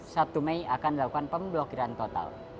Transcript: sabtu mei akan dilakukan pemblokiran total